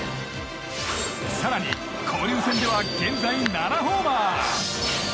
更に、交流戦では現在７ホーマー。